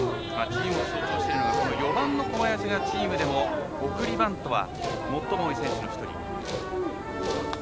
チームを象徴してるのが４番の小林がチームでも送りバントは最も得意な選手の１人。